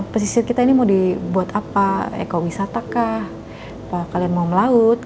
pesisir kita ini mau dibuat apa ekowisata kah kalian mau melaut